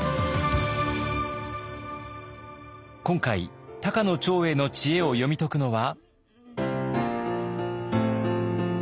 今回高野長英の知恵を読み解くのは。